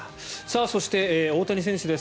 そして、大谷選手です。